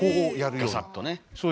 ガサッとね。